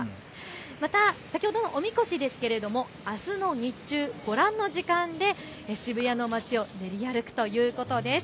また先ほど、おみこしですがあすの日中、ご覧の時間で渋谷の街を練り歩くということです。